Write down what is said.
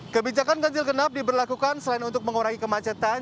kebijakan ganjil genap diberlakukan selain untuk mengurangi kemacetan